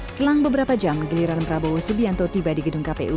selang beberapa jam geliran prabowo subianto tiba di gedung kpu